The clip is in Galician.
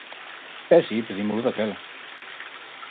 E si, pedímolo daquela.